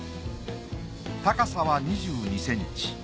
高さは２２ｃｍ。